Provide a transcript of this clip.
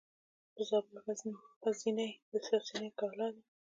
د زابل غزنیې د ساساني کلا ده